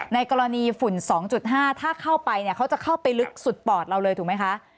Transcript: ในกรณีฝุ่น๒๕ถ้าเข้าไปเนี่ยเขาจะเข้าไปลึกสุดปอดเราเลยถูกไหมคะ